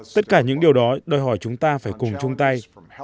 tất cả những điều đó đòi hỏi chúng ta phải cùng chung tay